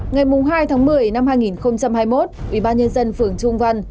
ngày hai tháng một mươi năm hai nghìn hai mươi một ủy ban nhân dân phường trung văn